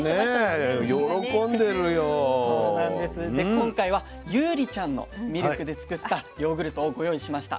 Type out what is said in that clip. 今回はユウリちゃんのミルクで作ったヨーグルトをご用意しました。